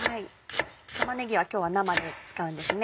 玉ねぎは今日は生で使うんですね。